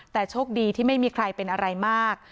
แต่โชคดีที่ไม่มีใครเป็นอะไรมาก